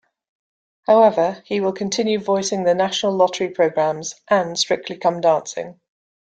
However, he will continue voicing the National Lottery programmes and "Strictly Come Dancing".